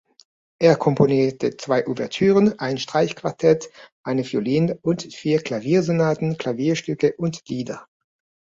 Er komponierte zwei Ouvertüren, ein Streichquartett, eine Violin- und vier Klaviersonaten, Klavierstücke und Lieder.